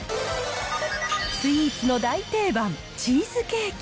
スイーツの大定番、チーズケーキ。